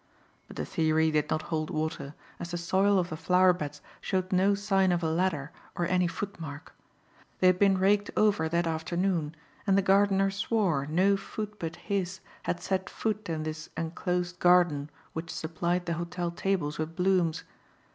But the theory did not hold water, as the soil of the flower beds showed no sign of a ladder or any footmark. They had been raked over that afternoon and the gardener swore no foot but his had set foot in this enclosed garden which supplied the hotel tables with blooms.